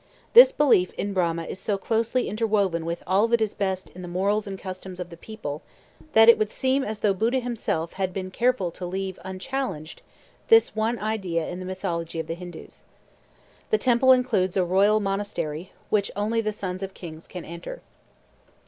This belief in Brahma is so closely interwoven with all that is best in the morals and customs of the people, that it would seem as though Buddha himself had been careful to leave unchallenged this one idea in the mythology of the Hindoos. The temple includes a royal monastery, which only the sons of kings can enter.